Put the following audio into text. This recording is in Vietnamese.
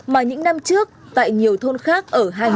mà những năm trước tại nhiều thôn khác ở hai địa phương